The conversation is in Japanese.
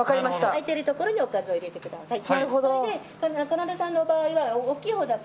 空いているところにおかず入れてください。